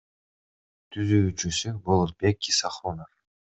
Түзүүчүсү — Болотбек Исахунов.